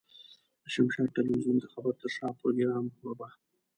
د شمشاد ټلوېزيون د خبر تر شا پروګرام کوربه.